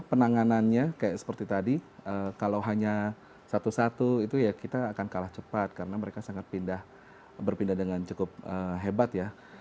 penanganannya kayak seperti tadi kalau hanya satu satu itu ya kita akan kalah cepat karena mereka sangat berpindah dengan cukup hebat ya